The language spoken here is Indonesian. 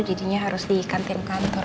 jadinya harus di kantin kantor